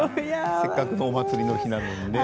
せっかく祭りの日なのにね。